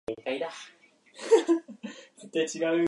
群馬県玉村町